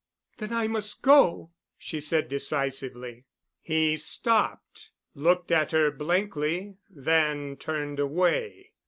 "Then I must go," she said decisively. He stopped, looked at her blankly, then turned away.